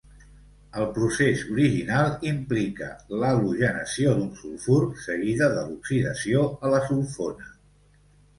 El procés original implica l'halogenació d'un sulfur, seguida de l'oxidació a la sulfona.